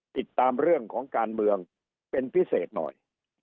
ติดตามเรื่องของการเมืองเป็นพิเศษหน่อย